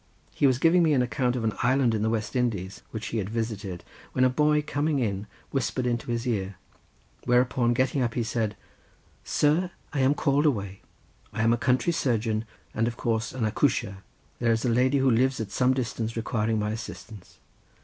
He was giving me an account of an island in the West Indies, which he had visited, when a boy coming in whispered into his ear; whereupon, getting up he said: "Sir, I am called away. I am a country surgeon, and of course an accoucheur. There is a lady who lives at some distance, requiring my assistance.